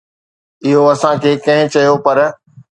اهو اسان کي ڪنهن چيو، پر